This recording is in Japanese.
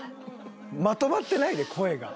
まとまってないで声が。